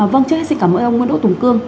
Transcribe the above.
vâng trước hết xin cảm ơn ông nguyễn đỗ tùng cương